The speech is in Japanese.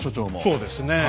そうですねえ。